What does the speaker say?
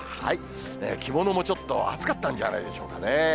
着物もちょっと、暑かったんじゃないでしょうかね。